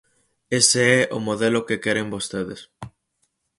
Ese é o modelo que queren vostedes.